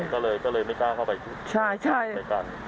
ก็เลยไม่กล้าเข้าไปกัน